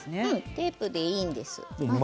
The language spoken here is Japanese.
テープでいいんです。